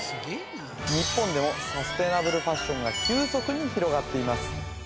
日本でもサステナブルファッションが急速に広がっています